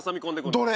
どれ？